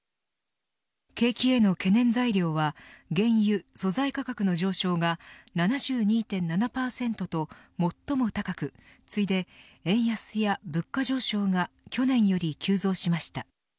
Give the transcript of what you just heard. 景気への懸念材料は原油・素材価格の上昇が７２．７％と最も高く次いで円安や物価上昇が去年より急増しました。